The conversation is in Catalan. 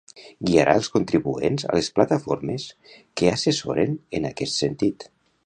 Guiarà els contribuents a les plataformes que assessoren en aquest sentit.